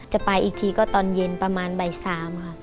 จะไปอีกทีก็ตอนเย็นประมาณบ่าย๓ค่ะ